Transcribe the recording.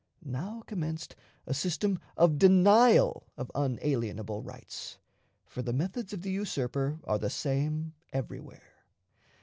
Now commenced a system of denial of unalienable rights, for the methods of the usurper are the same everywhere.